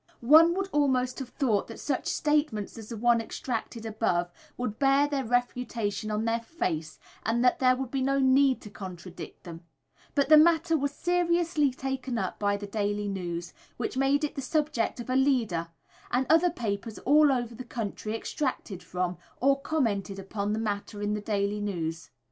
One would almost have thought that such statements as the one extracted above would bear their refutation on their face, and that there would be no need to contradict them; but the matter was seriously taken up by the Daily News, which made it the subject of a leader, and other papers all over the country extracted from, or commented upon the matter in the Daily News.